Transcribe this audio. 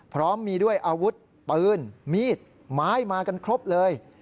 พร้อมมีด้วยอาวุธปืนมีดไม้มากันครบเลย